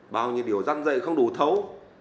bao nhiêu điều dân dạy không đủ thấu